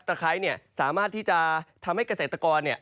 ไคร้เนี่ยสามารถที่จะทำให้เกษตรกรเนี่ย